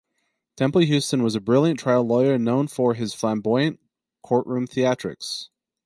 Temple Houston was a brilliant trial lawyer known for his flamboyant courtroom theatrics.